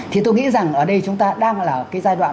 thì tôi nghĩ rằng ở đây chúng ta đang là cái giai đoạn